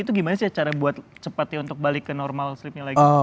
itu gimana sih cara buat cepat ya untuk balik ke normal slipnya lagi